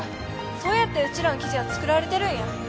そうやってうちらの記事は作られてるんや。